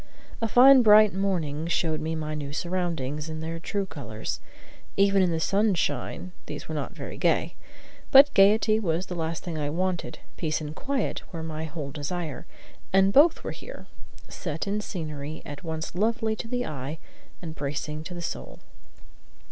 A fine, bright morning showed me my new surroundings in their true colors; even in the sunshine these were not very gay. But gayety was the last thing I wanted. Peace and quiet were my whole desire, and both were here, set in scenery at once lovely to the eye and bracing to the soul.